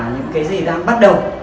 những cái gì đang bắt đầu